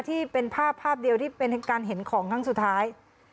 ที่เป็นภาพภาพเดียวที่เป็นการเห็นของครั้งสุดท้าย